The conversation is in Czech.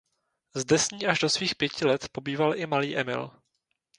Zde s ní až do svých pěti let pobýval i malý Emil.